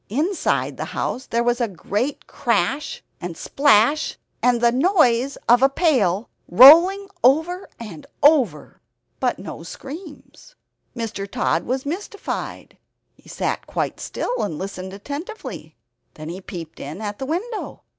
Inside the house there was a great crash and splash, and the noise of a pail rolling over and over. But no screams. Mr. Tod was mystified; he sat quite still, and listened attentively. Then he peeped in at the window.